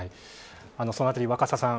その辺り、若狭さん